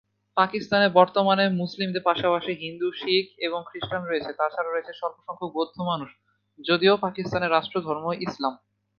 পাকিস্তানে বর্তমানে মুসলিমদের পাশাপাশি হিন্দু, শিখ এবং খ্রিস্টান রয়েছে, এছাড়াও রয়েছে স্বল্পসংখ্যক বৌদ্ধ মানুষ, যদিও পাকিস্তানের রাষ্ট্রধর্ম ইসলাম।